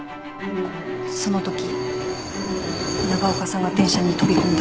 そのとき長岡さんが電車に飛び込んだ。